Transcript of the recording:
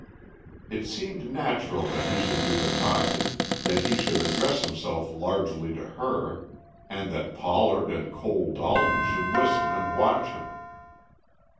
It seemed natural that he should do the talking, that he should address himself largely to her, and that Pollard and Cole Dalton should listen and watch him.